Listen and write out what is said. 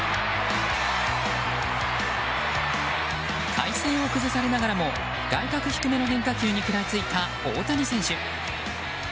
体勢を崩されながらも外角低めの変化球に食らいついた大谷選手。